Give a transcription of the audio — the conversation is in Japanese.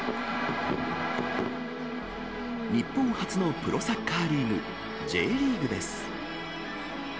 日本初のプロサッカーリーグ、Ｊリーグです。